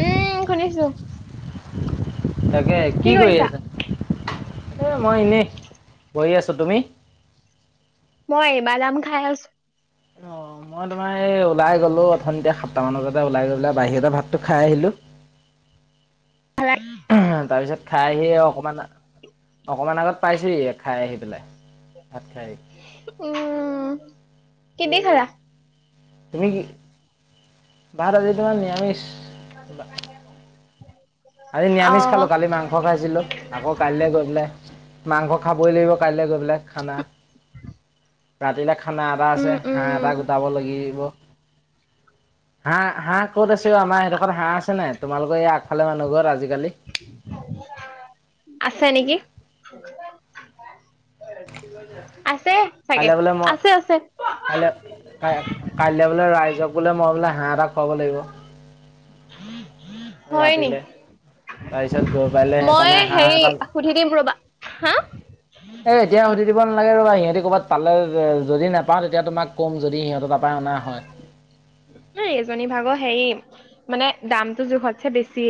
উমঁ শুনিছোঁ। তাকে কি কৰি আছা এ মই এনেই বহি আছো তুমি? মই বাদাম খাই আছোঁ। অঁ! মই তোমাৰ এই ওলাই গলোঁ ওথনিতে সাতটা মান বজাতে ওলাই গৈ পেলাই বাহিৰতে ভাতটো খাই আহিলোঁ। চেচচচ খৰাই এহো তাৰপিছত খাই আহি অকমান- অকণমান আগত পাইছোঁহিহে খাই আহি পেলাই ভাত খাই। উমঁ কি এ দি খালা? তুমি কি- ভাত আজি তোমাৰ নিৰামিষ। আজি অ নিৰামিষ খালো, কালি মাংস খাইছিলো। আকৌ কাইলৈ গই পেলাই, মাংস খাবই লাগিব কাইলৈ গই পেলাই খানা। ৰাতিলে খানা এটা আছে, উম হাঁহ উম এটা গোটাব লাগিব। হাঁহ হাঁহ ক'ত আছে অ আমাৰ এডোখৰত হাঁহ আছে নাই? তোমালোকৰ এ আগফালে মানুহ ঘৰত আজিকালি। [inaudible] আছে নেকি। আছে চাগে, কাইলৈ আছে আছে। কাই কাইলে বোলে ৰাইজক বোলে মই বোলে হাঁহ এটা খুৱাব লাগিব। হয় নি ৰাতিলে, তাৰপিছত গৈ পাইলে মই সেইকাৰণে হাঁহ হেৰি এটা সুধি দিম ৰবা, হা? এ এতিয়া সুধি দিব নালাগে ৰ'বা, সিহঁতি কবাত পালে য যদি নাপাওঁ তেতিয়া তোমাক কম, যদি সিহঁতৰ তাত পা অনা হয়। এজনী ভাগৰ হেৰি, মানে দামটো জোখতছে বেছি।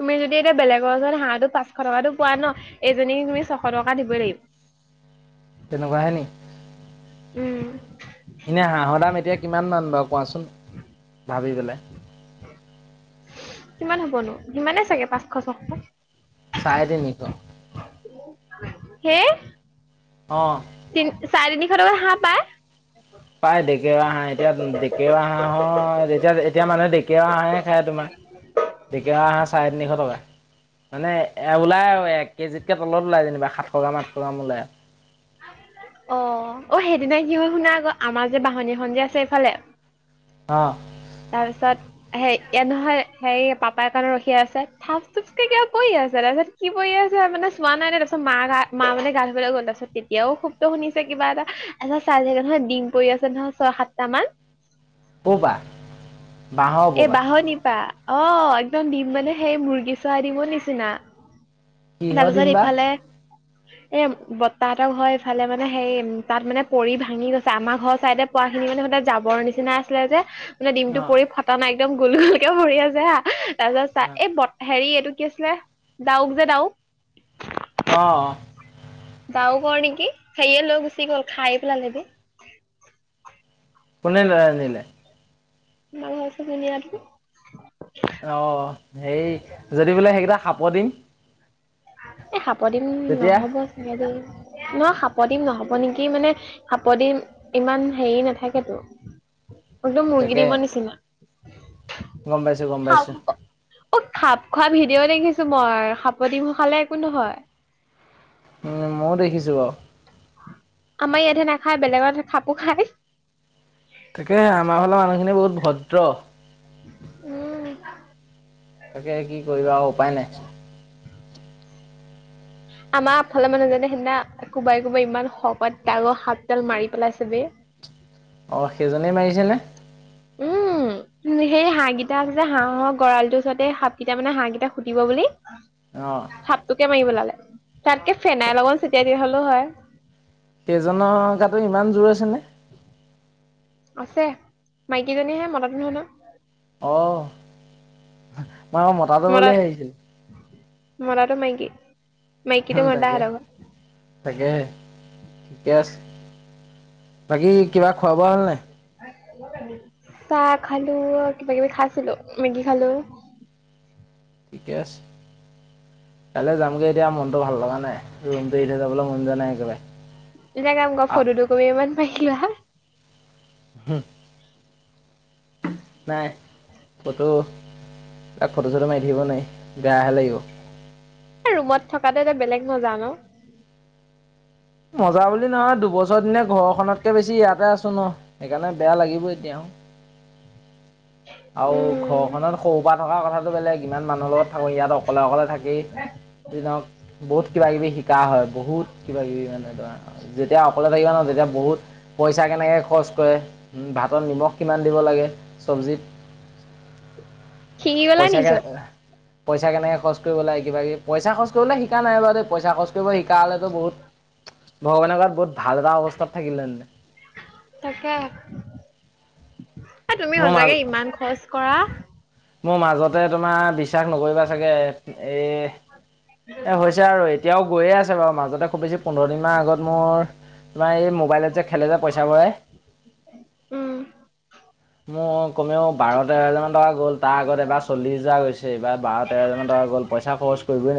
তুমি যদি এতিয়া বেলেগৰ ওচৰত হাঁহটো পাঁচশ টকাটো পোৱা ন, এজনীক তুমি ছশ টকা দিবই লাগিব। তেনেকুৱাহে নি। উম। এনেই হাঁহৰ দাম এতিয়া কিমান মান বাৰু কোৱাচোন, ভাবি পেলাই। কিমান হ'বনো সিমানে চাগে পাঁচশ ছশ। চাৰে তিনিশ। হে। অঁ। তিন চাৰে তিনিশ টকাত হাঁহ পায়। পায় ডেকেৰুৱা হাঁহ, এতিয়া ডেকেৰুৱা হাঁহৰ এতিয়া এতিয়া মানুহে ডেকেৰুৱা হাঁহে খায় তোমাৰ। ডেকেৰুৱা হাঁহ চাৰে তিনিশ টকা। মানে এ ওলাই আৰু এক কেজিতকে তলত ওলাই যেনিবা সাতশ গ্ৰাম আঠশ গ্ৰাম ওলাই। অ অ সেইদিনা কি হল শুনা আক, আমাৰ যে বাহনীখন যে আছে এইফালে। অঁ। তাৰপিছত হেই ইয়াত নহয় হেৰি পাপাই কাৰণে ৰখি আছে, থাচ থুচকে কিবা কৰি আছে তাৰপিছত। কি পৰি আছে মানে চোৱা নাই দেই তাৰপিছত মা গা মা মানে গা ধুবলৈ গ'ল, তাৰপিছত তেতিয়াও শব্দ শুনিছে কিবা এটা। আচ্ছা চাই থাকে নহয় ডিম পৰি আছে নহয় ছয় সাতটা মান। ক পা। এ বাঁহনিপা, অ একদম দিম মানে সেই মুৰ্গী চৰাই দিমৰ নিচিনা। কিহৰ তাৰপিছত দিম বা ইফালে। [inaudible] এ বৰ্তাহঁতৰ ঘৰ এইফালে মানে, হেৰি তাত মানে পৰি ভাঙি গৈছে আমাৰ ঘৰৰ চাইদে। পৰাখিনি মানে জাবৰৰ নিচিনা আছিলে যে। মানে ডিমটো অ পৰি ফটা নাই একদম গোল গোলকে পৰি আছে হা তাৰপিছত চাই অ এ বত। হেৰি এইটো কি আছিলে ডাউক যে ডাউক। অ। ডাউকৰ নেকি হেৰিয়ে লৈ গুচি গ'ল খাই পেলালে গে। কোনে লৈ আনিলে? আমাৰ ঘৰৰ ওচৰৰ ধুনীয়াটো। অ হেৰি যদি বোলে সেইকেইটা সাপৰ ডিম। এ সাপ ডিম তেতিয়া নহ'ব চাগে দেই, ন সাপৰ ডিম নহ'ব নেকি মানে সাপৰ ডিম ইমান হেৰি নেথাকেতো। একদম মুৰ্গী তাকে ডিমৰ নিচিনা। গম পাইছো গম পাইছো সাপ অ', সাপ খোৱা ভিডিঅ' দেখিছো মই, সাপৰ ডিম খালে একো নহয়। উম, ময়ো দেখিছো বাৰু। আমাৰ ইয়াতহে নাখায়, বেলেগত সাপো খাই। তাকে আমাৰ ফালৰ মানুহখিনি বহুত ভদ্ৰ। উম। তাকে কি কৰিবা আৰু উপায় নাই। আমাৰ আগফাল মানুহজনে সেইদিনা কোবাই কোবাই ইমান শকত ডাঙৰ সাপডাল মাৰি পেলাইছে বে। অ', সেইজনেই মাৰিছেনে? [unintelligible] উম, সেই হাঁহকিটা আছে যে হাঁহৰ গঁৰালটোৰ ওচৰতে সাপকিটাই মানে হাঁহ কিটাক খুটিব বুলি। অ'। সাপটোকে মাৰি পেলালে। তাতকে ফেনাইল অকন ছিটিয়াই দিয়া হলেও হয়। সেইজনৰ গাতো ইমান জোৰ আছে নে? আছে, মাইকীজনীহে মতাটো নহয় ন। অ', মই আকৌ মতাটো মতা বুলি ভাবিছিলোঁ। মতাটো মাইকী। মাইকীটো [unintelligible] মতা তাকে। সিহঁতৰ ঘৰত তাকেহে, ঠিকে আছে। বাকী কিবা খোৱা বোৱা হ'ল নাই? চাহ খালোঁ, কিবা কিবি খাইছিলোঁ মেগি খালোঁ। ঠিকে আছে, কাইলে যামগে এতিয়া মনটো ভাল লগা নাই। ৰূমটো এৰিথৈ যাবলে মন যোৱা নাই একেবাৰে। এটা কাম কৰা, আহ ফটো দুকপি মান মাৰি লোৱা। হুম। নাই, ফটো ফটো চটো মাৰি থাকিব নোৱাৰি, বেয়াহে লাগিব। এ, ৰুমত থকাটো এটা বেলেগ মজা ন? মজা বুলি নহয়, দুবছৰ দিনে ঘৰখনতকে বেছি ইয়াতে আছো ন। সেইকাৰণে বেয়া লাগিবই এতিয়া আও। আৰু উম ঘৰখনত সৰুপা থকা কথাটো বেলেগ, ইমান মানুহৰ লগত থাকো ইয়াত অকলে অকলে থাকি যি নহওক বহুত কিবা কিবি শিকা হয়, বহুত কিবা কিবি মানে ধৰা [unintelligible] যেতিয়া অকলে থাকিবা ন তেতিয়া বহুত পইচা কেনেকে খৰচ কৰে, ভাতত নিমখ কিমান দিব লাগে, চব্জিত। শিকি গলা নি পইচা কেনে, চব পইচা কেনেকে খৰচ কৰিব লাগে কিবা কিবি। পইচা খৰচ কৰিবলে শিকা নাই বাৰু দেই পইচা খৰচ শিকা হ'লেতো বহুত, ভগৱানে কোৱাত বহুত ভাল এটা অৱস্থাত থাকিলেহেঁতেনে। তাকে, এ তুমি মোৰ মাজ সচাকে ইমান খৰচ কৰা। মোৰ মাজতে তোমাৰ বিশ্বাস নকৰিবা চাগে এ, এ হৈছে আৰু এ এতিয়াও গৈয়ে আছে বাৰু, মাজতে খুব বেছি পোন্ধৰ দিনমান আগত মোৰ তোমাৰ এই মোবাইলত যে খেলে যে পইচা পায়। উম মোৰ কমেও বাৰ তেৰ হাজাৰমান টকা গ'ল। তাৰ আগত এবাৰ চল্লিছ হাজাৰ গৈছে, এইবাৰ তেৰ হাজাৰমান টকা গ'ল। পইচ খৰচ কৰি [unintelligible]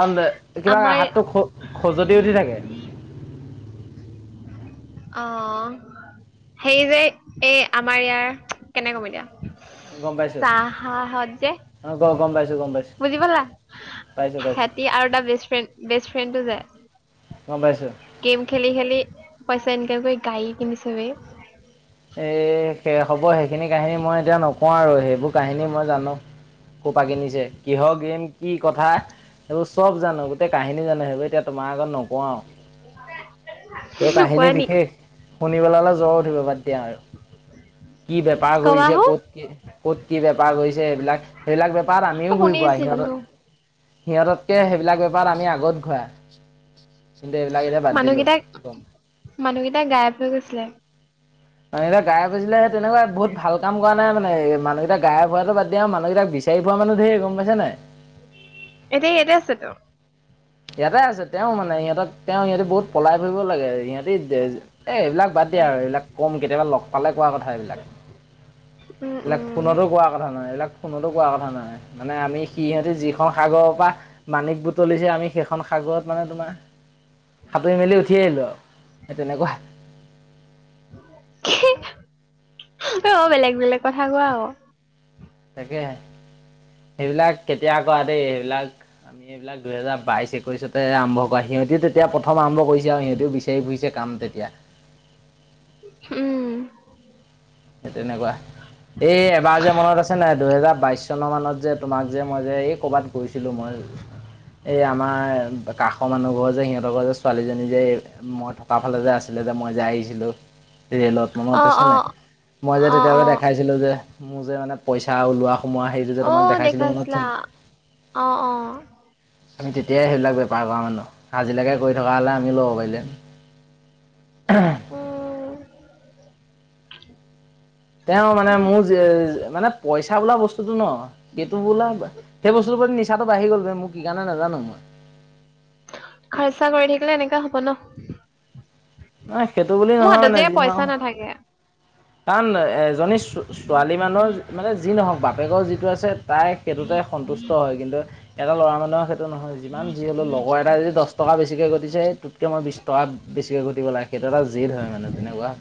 আৰু দে, কিবা আমাৰ হাতটো খ-খজুতি উঠি থাকে। অ', হেৰী যে এই আমাৰ ইয়াৰ, কেনেকে কম গম এতিয়া? পাইছো চাহাহত যে অ গ গম পাইছোঁ গম পাইছোঁ বুজি পালা সেহঁতি আৰু টা বেষ্ট ফ্ৰেণ্ড বেষ্ট ফ্ৰেণ্ডটো যে গম পাইছোঁ গেম খেলি খেলি পইচা ইনকাম কৰি গাড়ী কিনিছে বে এ হে হব সেইখিনি কাহিনী মই এতিয়া নকওঁ আৰু সেইবোৰ কাহিনী মই জানো সোপা কিনিছে কিহৰ গেম কি কথা সেইবোৰ চব জানো গোটেই কাহিনী জানো সেইবোৰ এতিয়া তোমাৰ আগত নকও আৰু এই নোকোৱা কাহিনী নি বিশেষ শুনিপেলালে জ্বৰ উঠিব বাদ দিয়া আৰু কি বেপাৰ কবা কৰিছে হো ক'ত কি কত কি বেপাৰ কৰিছে সেই বিলাক সেইবিলাক বেপাৰত আমিও ঘুৰি ফুৰা সিহঁতৰ শুনিছিলো সিহঁততকে সেইবিলাক বেপাৰত আমি আগত ঘূৰা কিন্তু এইবিলাক এতিয়া বাদ দিলোঁ মানুহগিটাক গম মানুহগিটা গাইব হৈ গৈছিলে মানুকেইটা গায়েব হৈছিলে তেনেকুৱা বহুত ভাল কাম কৰা নাই মানে মানুহগিটা গায়েব হোৱাতো বাদ দিয়া মানুহগিটাক বিচা বিচাৰি পোৱা মানুহ ঢেৰ গম পাইছা নাই এতিয়া ইয়াতে আছে তো ইয়াতে আছে তেওঁ মানে সিহঁতক তেওঁ ইহতি বহুত পলাই ফুৰিব লাগে ইহঁত এই এইবিলাক বাদ দিয়া আৰু এইবিলাক কম কেতিয়াবা লগ পালে কোৱা কথা এইবিলাক উম এইবিলাক উম ফোনতো কোৱা কথা নহয় এইবিলাক ফোনতো কোৱা কথা নহয় মানে আমি সিহঁতে যিখন সাগৰৰ পা মানিক বুটলিছে আমি সেইখন সাগৰত মানে তোমাৰ সাঁতুৰি মেলি উঠি আহিলোঁ আৰু সেই তেনেকুৱা অ বেলেগ বেলেগ কথা কোৱা আৰু তাকেহে সেইবিলাক কেতিয়া কৰা দেই সেইবিলাক আমি এইবিলাক দুহেজাৰ বাইশ একৈশতে আৰম্ভ কোৱা সিহঁতিও তেতিয়া প্ৰথম আৰম্ভ কৰিছে আৰু সিহঁতিও বিচাৰি ফুৰিছে কাম তেতিয়া উম সে তেনেকুৱা এই এবাৰ যে মনত আছে নাই দুহেজাৰ বাইশ চনৰ মানত যে তোমাক যে মই যে এই কৰবাত গৈছিলো মই এই আমাৰ কাষৰ মানুহ ঘৰ যে সিহঁতৰ যে ছোৱালীজনী যে মই থকা তাৰ ফালে যে আছিলে যে মই যে আহিছিলো ৰেলত অ মনত আছে অ নাই মই যে অ তেতিয়া অ যে দেখাইছিলো যে মোৰ যে মানে পইচা ওলোৱা সোমাৱা সেইটো যে অ দেখাইছিলো মনত আছে দেখাইছিলা নাই অ অ আমি তেতিয়াই সেইবিলাক বেপাৰ কৰা মানুহ আজিলেকে কৰি থকা হ'লে আমি ল'ব পাৰিলো হেতেন [unintelligible] উম তেওঁ মানে মোৰ যে মানে পইচা বোলা বস্তুটো ন সেইটো বোলা সেই বস্তুটোৰ ওপৰত নিচাটো বাঢ়ি গ'ল মোৰ কি কাৰণে নাজানো মই খৰচা কৰি থাকিলে এনেকা হ'ব ন নাই সেইটো বুলি মো নহয় হাতত মানে যে যি নহওক পইচা নাথাকে কাৰণ এজনী ছো ছোৱালী মানুহৰ মানে যি নহওক বাপেকৰ যিটো আছে তাই সেইটোতে সন্তুষ্ট হয় কিন্তু এটা ল'ৰা মানুহৰ সেইটো নহয় যিমান যি হ'লেও লগৰ এটাই যদি দছ টকা বেছিকৈ ঘটিছে তোতকে মই বিছ টকা বেছিকে ঘটিব লাগে সেইটো এটা জেদ হয় মানে তেনেকুৱা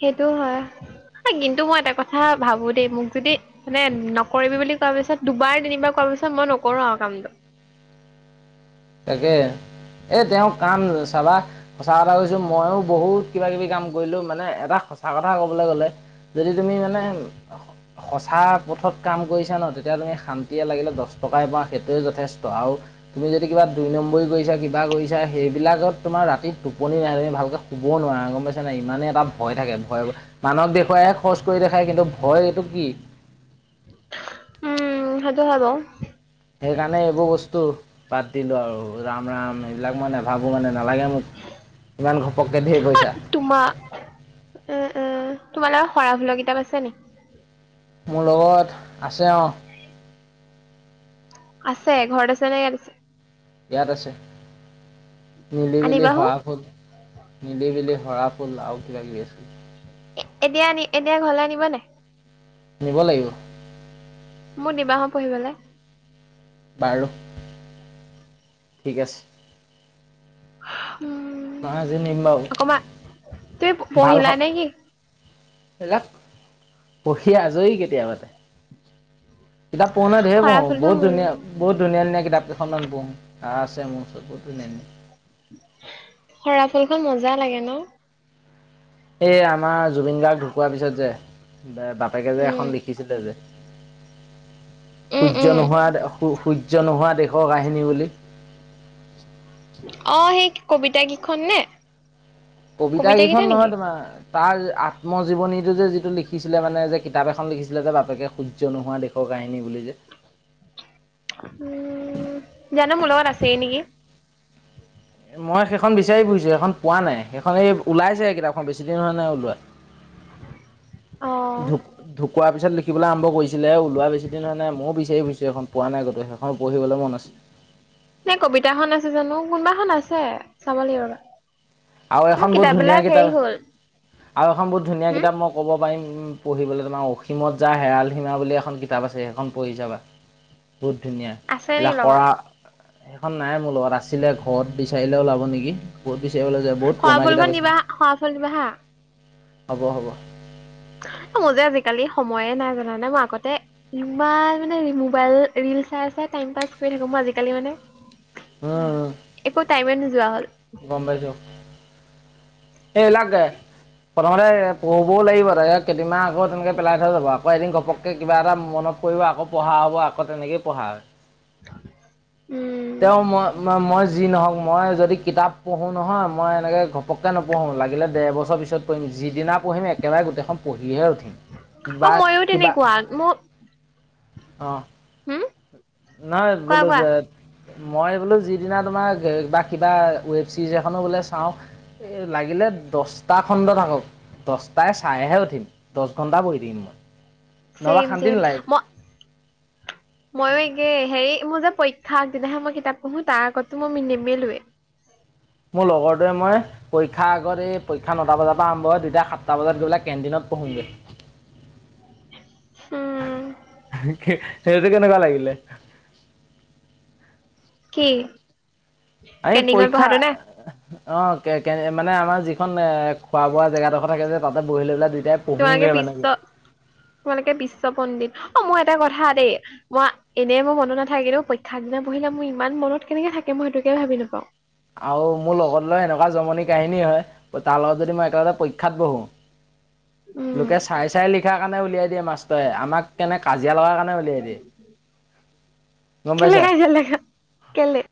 সেইটো হয় কিন্তু মই এটা কথা ভাবো দেই মোক যদি মানে নকৰিবি বুলি কোৱা পিছত দুবাৰ তিনিবাৰ কোৱাৰ পিছত মই নকৰো আৰু কামটো তাকে এ তেওঁ কাম চাবা সঁচা কথা কৈছো, মইয়ো বহুত কিবা কিবি কাম কৰিলো মানে এটা সঁচা কথা কবলৈ গলে। যদি তুমি মানে সঁচা- পথত কাম কৰিছা ন তেতিয়া তুমি শান্তিয়ে লাগিলে দছ টকাই পাওঁ সেইটোৱে যথেষ্ট আও- যদি কিবা দুই নম্বৰী কৰিছা কিবা কৰিছা সেইবিলাকত তোমাৰ ৰাতি টোপনি নাহে তুমি ভালকে শুবও নোৱাৰা গম পাইছ- ছানাই ইমানে এটা ভয় থাকে ভয় মানুহক দেখুৱাইহে খৰচ কৰি দেখাই কিন্তু ভয় এইটো কি? উম' সেইটো হয় বাৰু। সেইকাৰণে এইবোৰ বস্তু বাদ দিলো আৰু ৰাম ৰাম এইবিলাক ময় নেভাবো মানে। নালাগে মোক ইমান ঘপককে ধেই পইচা। তোমা এঁ এঁ তোমা লগত শৰাফুলৰ কিতাপ আছে নি? মোৰ লগত আছে অঁ'। আছে ঘৰত আছেনে ইয়াত আছে। ইয়াত আছে মিলিমিলি আনিবা হো শহা ফুল- মিলি জুলি হৰা ফুল আও কিবা কিবি আছিল। এ এতিয়া আনি এতিয়া ঘৰলে নিনিব নাই। নিব লাগিব। মোৰ দিবা হঁ পঢ়িবলে। বাৰু ঠিক আছে। উম' মই আজি নিম বাৰু অকমান তুমি পঢ়িলা নে কি? এবিলাক পঢ়ি আজৰি কেতিয়াবাতে। কিতাপ পঢো নহয় ধেই সৰা পঢ়ো ফুলটো বহুত ধুনীয়া। বহুত ধুনীয়া ধুনীয়া কিতাপ কেখনমান পঢ়ো আ আছে মোৰ ওচৰত বহুত ধুনীয়া ধুনীয়া। সৰা ফুল খন মজা লাগে ন। এই আমাৰ জুবিন গাৰ্গ ঢুকোৱাৰ পিছত যে, বাপেকে যে উম, এখন লিখিছিলে যে- উম, সূৰ্য উম, নোহোৱা সূৰ্য নোহোৱা দেশৰ কাহিনী বুলি। অঁ' সেই কবিতা গিখন নে? কবিতা কেইটা গিখন নহয় নেকি? তোমাৰ। তাৰ আত্মজীৱনীটো যে যিটো লিখিছিলে মানে যে কিতাপ এখন লিখিছিলে যে বাপেকে সূৰ্য নোহোৱা দেশ- শৰ কাহিনী বুলি যে। উম' জানো, মোৰ লগত আছেই নেকি। এ মই সেইখন বিচাৰি ফুৰিছোঁ। সেখন পোৱা নাই সেইখন এই ওলাইছেহে কিতাপখন বেছি দিন হোৱা নাই ওলোৱা। [inaudible] অ', ঢুক ঢুকোৱাৰ পিছত লিখিবলৈ আৰম্ভ কৰিছিলেহে, ওলোৱা বেছি দিন হোৱা নাই ময়ো বিচাৰি ফুৰিছোঁ সেখন। পোৱা নাই গোটেই সেখন পঢ়িবলে মন আছে। সেই কবিতা খন আছে জানো কোনোবাএখন আছে, চাব লাগিব ৰ'বা। আৰু মোৰ এখন বহুত ধুনীয়া কিতাপবিলাক কিতাপ হেৰি আছ হ'ল, আৰু এখন বহুত ধুনীয়া হম, কিতাপ মোক- ক'ব পাৰিম পঢ়িবলে তোমাক, অসীমত যাৰ হেৰাল সীমা বুলি এখন কিতাপ আছে সেইখন পঢ়ি চাবা। বহুত ধুনীয়া, আছে নি এলাহ লগত? কৰা- সেইখন নাই মোৰ লগত আছিলে ঘৰত বিচাৰিলে ওলাব নেকি ঘত বিচাৰিবলে যাব- সৱাফুলখন দিবা, সৱাফুল দিবা হাঁ। হ'ব হ'ব। অ মোৰ যে আজিকালি সময়ে নাই জানানে মই আগতে- ইমান মানে মোবাইল ৰিল চাই চাই টাইম পাছ কৰি থাকো মই আজিকালি মানে। একো টাইমে নোযোৱা হ'ল। গমপাইছো। এ লাগে। প্ৰথমতে পঢ়িবও লাগিব, তয়া কেইদিনমান আকৌ তেনেকৈ পেলাই থৈ যাব, আকৌ এদিন ঘপকৈ কিবা এটা মনত কৰিব, আকৌ পঢ়া হ'ব, আকৌ তেনেকেই পঢ়া হয়। [unintelligible] উম তেওঁ মই, মই যি নহওক, মই যদি কিতাপ পঢ়ো নহয়, মই এনেকে ঘপককে নপঢ়ো, লাগিলে ডেৰ বছৰ পিছত পঢ়িম যিদিনা পঢ়িম একেবাৰে গোটেইখন পঢ়িহে উঠিম, অ বা মইও কিবা তেনেকুৱা মোৰ অ' হম নাই কোৱা বোলো কোৱা যায় মই বোলো যিদিনা তোমাৰ বা কিবা ৱেব ছিৰিজ এখনো বোলে চাওঁ এ লাগিলে দচটা খণ্ড থাকক। দচটাই চাইহে উঠিম, দচ ঘন্টা বহি দিম চেইম চেম ম ময়ো একেই, হেৰি মোৰ যে পৰীক্ষা আগদিনাহে মই কিতাপ পঢ়োঁ, তাৰ আগতটো মই নিমেলোৱে মোৰ লগৰটোৱে মই, পৰীক্ষা আগত এই পৰীক্ষা নটা বজাৰ পৰা আৰম্ভ হয়, দুইটাই সাতটা বজাত গৈ পেলাই কেণ্টিনত পঢ়োগৈ। উম সেইটো কেনেকুৱা লাগিলে? কি, আমি কেন্টিংত পৰীক্ষা পঢ়াতো নে? অ', কে কেন মানে আমাৰ যিখন এ খোৱা বোৱা জেগাডোখৰ থাকে যে তাতে বহি লৈ পেলাই দুইটাই তোমালোকে পঢ়োগৈ মানে বিশ্ব, তোমালোকে বিশ্ব পণ্ডিত, অ', মোৰ এটা কথা দেই মই এনে মোৰ মন নাথাকে, কিন্তু মই পৰীক্ষা আগদিনা পঢ়িলে মোৰ ইমান মনত কেনেকে থাকে মই সেইটোকে ভাবি নাপাওঁ। আৰু মোৰ লগত লৈ এনেকুৱা জমনি কাহিনী হয়, তাৰ লগত যদি মই একেলগতে পৰীক্ষাত বহোঁ উম লোকে চাই চাই লিখা কাৰণে উলিয়াই দিয়ে মাষ্টৰে, আমাক কেনে কাজিয়া লগাৰ কাৰণে উলিয়াই দিয়ে, গম কেলে পাইছা? কাজিয়া লাগা কেলে